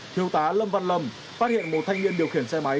thiếu tá lâm văn lâm phát hiện một thanh niên điều khiển xe máy